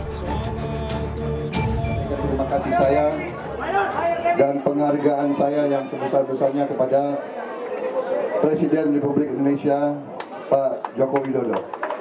terima kasih sayang dan penghargaan saya yang sebesar besarnya kepada presiden republik indonesia pak joko widodo